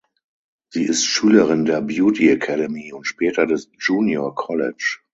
Sie ist Schülerin der Beauty Academy und später des Junior College.